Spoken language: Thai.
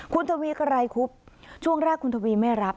คุณทวีไกรคุบช่วงแรกคุณทวีไม่รับ